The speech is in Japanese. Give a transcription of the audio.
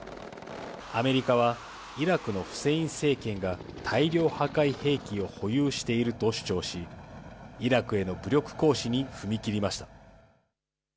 アメリカはイラクのフセイン政権が、大量破壊兵器を保有していると主張し、イラクへの武力行使に踏み切りました。